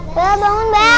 bella bangun bella